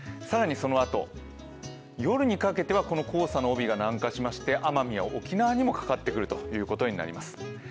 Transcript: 更にそのあと、夜にかけては黄砂の帯が南下して奄美や沖縄にもかかってくることになります。